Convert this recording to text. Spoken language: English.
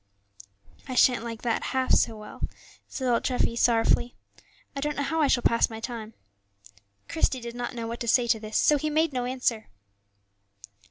"I shan't like that half so well," said old Treffy, sorrowfully; "I don't know how I shall pass my time." Christie did not know what to say to this, so he made no answer.